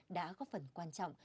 đã có phần quan trọng